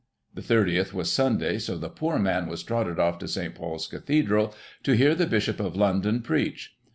The 30th was Sunday, so the poor man was trotted off to St. Paul's Cathedral to hear the Bishop of London preach.